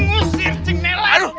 ngusir si nelan